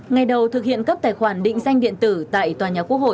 ngày đầu thực hiện cấp tài khoản định danh điện tử tại tòa nhà quốc hội